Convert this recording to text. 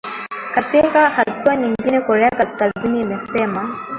katika hatua nyingine korea kaskazini imesema